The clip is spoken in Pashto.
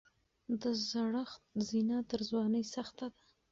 د زړښت زینه تر ځوانۍ سخته ده.